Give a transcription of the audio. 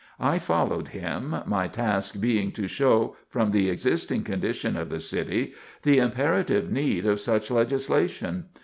I followed him, my task being to show, from the existing condition of the city, the imperative need of such legislation.